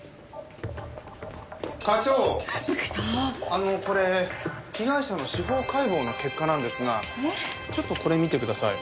あのこれ被害者の司法解剖の結果なんですがちょっとこれ見てください。